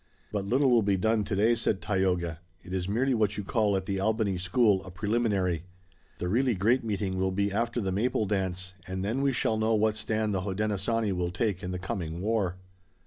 "But little will be done today," said Tayoga. "It is merely what you call at the Albany school a preliminary. The really great meeting will be after the Maple Dance, and then we shall know what stand the Hodenosaunee will take in the coming war."